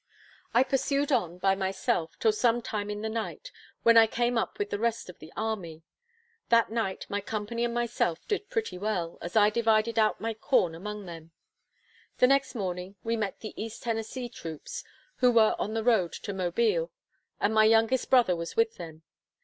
I pursued on, by myself, till some time after night, when I came up with the rest of the army. That night my company and myself did pretty well, as I divided out my corn among them. The next morning we met the East Tennessee troops, who were on their road to Mobile, and my youngest brother was with them.